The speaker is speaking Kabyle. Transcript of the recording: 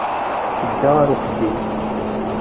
Tedda ɣer uxeddim.